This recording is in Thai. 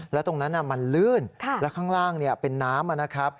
แล้วตรงนั้นมันลื่นแล้วข้างล่างเป็นน้ำนะครับ